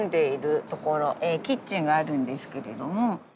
キッチンがあるんですけれども。